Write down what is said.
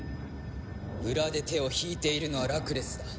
裏で手を引いているのはラクレスだ。